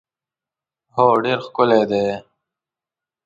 هو ډېر ښکلی دی.